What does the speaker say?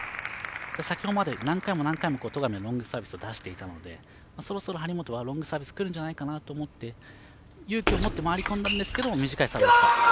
先ほどまで、何回も戸上がロングサービスを出していたのでそろそろ張本はロングサービスくるんじゃないかなと思って勇気を持って回り込んだんですけど短いサービスでした。